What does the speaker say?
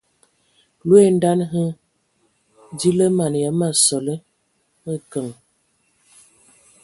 Loe daan hm di lǝ mana ya ma sole mǝkǝŋ.